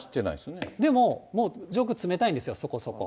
でももう上空冷たいんですよ、そこそこ。